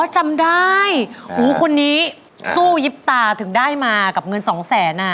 จำได้หูคนนี้สู้ยิบตาถึงได้มากับเงินสองแสนอ่ะ